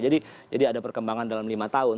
jadi ada perkembangan dalam lima tahun